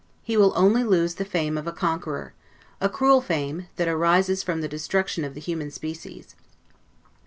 He will only lose the fame of a conqueror; a cruel fame, that arises from the destruction of the human species.